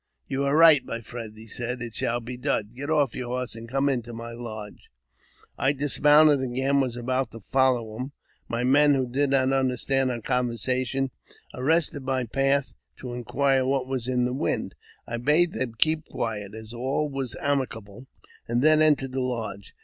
"You are right, my friend,"" said he; "it shall be done. Get off your horse, and come into my lodge." I dismounted again, and was about to follow him. My men, who did not understand our conversation, arrested my f ; 364 AUTOBIOGBAPHY OF path to inquire what was in the wind. I bade them keep quiet, as all was amicable, and then entered the lodge.